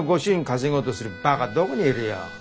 稼ごうとするバカどこにいるよ。